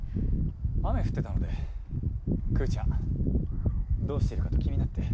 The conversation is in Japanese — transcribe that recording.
雨降ってたのでクーちゃんどうしているかと気になって。